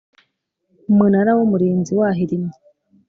Umunara w Umurinzi wahirimye